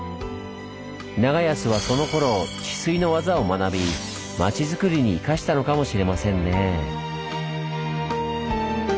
長安はそのころ治水の技を学び町づくりに生かしたのかもしれませんねぇ。